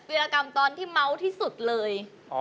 วิธีรักษ์ตอนที่เมาส์ที่สุดเลย